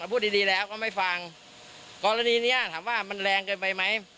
พูดดีดีแล้วก็ไม่ฟังกรณีเนี้ยถามว่ามันแรงเกินไปไหม